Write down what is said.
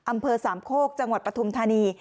อำเภอสามโคกจังหวัดปฐุมธานี